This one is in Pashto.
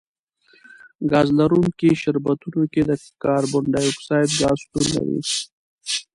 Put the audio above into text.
ګاز لرونکي شربتونو کې کاربن ډای اکسایډ ګاز شتون لري.